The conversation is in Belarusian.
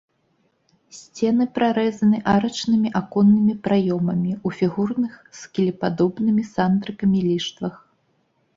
Сцены прарэзаны арачнымі аконнымі праёмамі ў фігурных з кілепадобнымі сандрыкамі ліштвах.